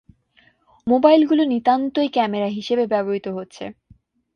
মোবাইলগুলো নিতান্তই ক্যামেরা হিসেবে ব্যবহৃত হচ্ছে।